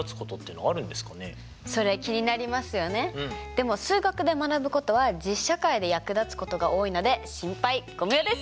でも数学で学ぶことは実社会で役立つことが多いので心配ご無用です！